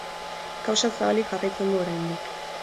Kausa zabalik jarraitzen du oraindik.